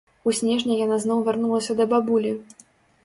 У снежні яна зноў вярнулася да бабулі.